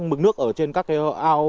mực nước ở trên các cái ao